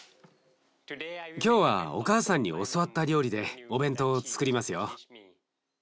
今日はお母さんに教わった料理でお弁当をつくりますよ。